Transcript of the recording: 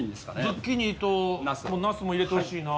ズッキーニとナスも入れてほしいな。